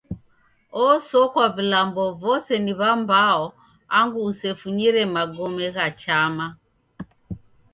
Osokwa vilambo vose ni w'ambao angu usefunyire magome gha chama.